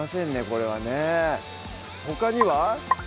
これはねほかには？